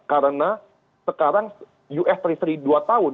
karena sekarang us tiga puluh tiga dua tahun